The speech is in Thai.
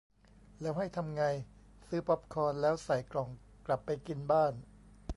แล้วให้ทำไง ซื้อป๊อปคอร์นแล้วใส่กล่องกลับไปกินบ้าน